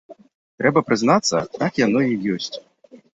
Трэба прызнацца, так яно і ёсць.